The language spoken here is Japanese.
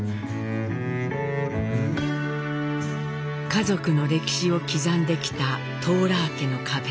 家族の歴史を刻んできたトーラー家の壁。